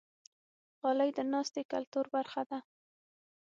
غالۍ د ناستې کلتور برخه ده.